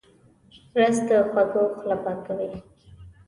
رس د خوږو خوله پاکوي